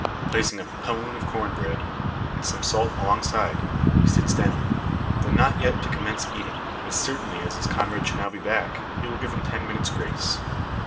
Placing a "pone" of corn bread, and some salt alongside, he sits down; though not yet to commence eating. As certainly his comrade should now soon be back, he will give him ten minutes' grace.